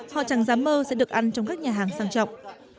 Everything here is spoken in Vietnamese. họ chẳng dám mơ sẽ được ăn trong các nhà hàng sang trọng